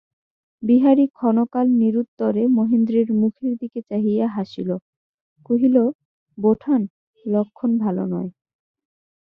বিহারী ক্ষণকাল নিরুত্তরে মহেন্দ্রের মুখের দিকে চাহিয়া হাসিল–কহিল, বোঠান, লক্ষণ ভালো নয়।